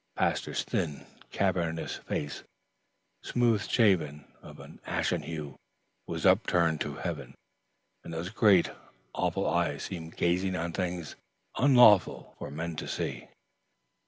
His thin, cadaverous face, smooth shaven and of an ashen hue, was upturned to heaven, and those great, awful eyes seemed gazing on things unlawful for man to see.